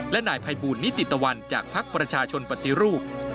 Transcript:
และนายภัยบูลนิติตะวันจากภักดิ์ประชาชนปฏิรูป